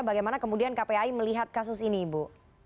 bagaimana kemudian kpai melihat kasus ini ibu